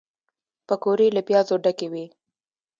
پکورې له پیازو ډکې وي